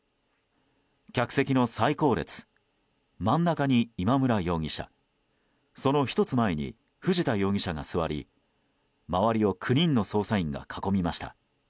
客席の最後列真ん中に今村容疑者その１つ前に藤田容疑者が座り周りを９人の捜査員が囲みました。